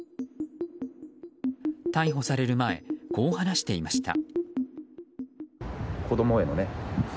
逮捕される前こう話していました。